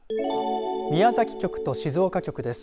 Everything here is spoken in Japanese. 宮崎局と静岡局です。